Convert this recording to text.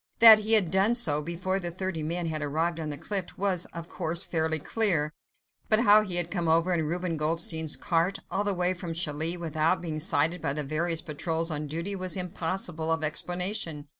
That he had done so before the thirty men had arrived on the cliff was, of course, fairly clear, but how he had come over in Reuben Goldstein's cart, all the way from Calais, without being sighted by the various patrols on duty was impossible of explanation.